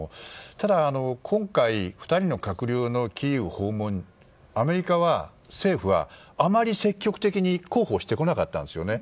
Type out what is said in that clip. ただ、今回２人の閣僚のキーウ訪問をアメリカ政府はあまり積極的に広報してこなかったんですよね。